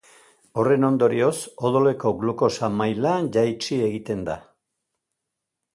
Horren ondorioz odoleko glukosa maila jaitsi egiten da.